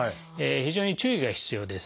非常に注意が必要です。